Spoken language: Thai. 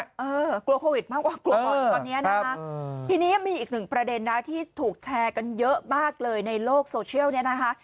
เออกลัวโควิดมากกว่ากลัวก่อนตอนนี้นะคะทีนี้มีอีกหนึ่งประเด็นนะที่ถูกแชร์กันเยอะมากเลยในโลกโซเชียลเนี่ยนะคะ